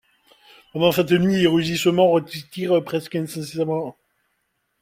Pendant cette nuit, les rugissements retentirent presque incessamment.